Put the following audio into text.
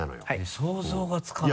想像がつかないな。